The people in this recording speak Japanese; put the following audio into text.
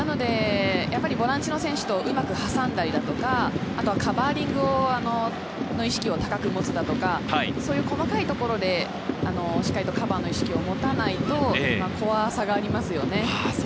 ボランチの選手をうまく挟んだりとか、カバーリングの意識を高く持つとか、細かいところでしっかりカバーの意識を持たないと怖さがありますよね。